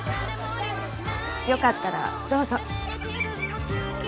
よかったらどうぞ。